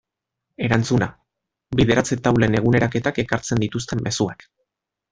Erantzuna: Bideratze taulen eguneraketak ekartzen dituzten mezuak.